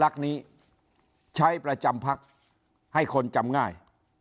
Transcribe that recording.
นี้ใช้ประจำพักให้คนจำง่าย